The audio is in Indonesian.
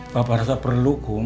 bapak rata perlu kum